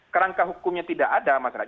kerangka hukumnya tidak ada mas rad